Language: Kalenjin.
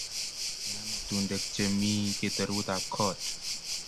Meam amtundek chemii keteruut ab kot